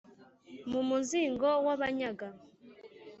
mu musingo w’abanyaga